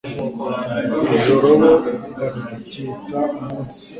ijoro bo baryita umunsi